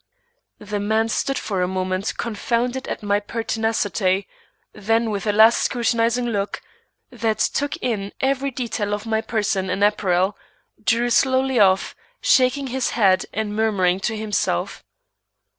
The man stood for a moment confounded at my pertinacity, then with a last scrutinizing look, that took in every detail of my person and apparel, drew slowly off, shaking his head and murmuring to himself.